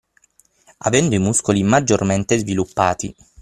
avendo i muscoli maggiormente sviluppati.